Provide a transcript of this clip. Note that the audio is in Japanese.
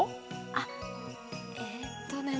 あっえっとね